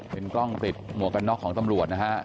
เป็นกล้องติดหมวกกันน็อกของตำรวจนะฮะ